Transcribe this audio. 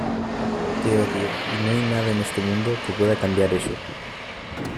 te odio y no hay nada en este mundo que pueda cambiar eso.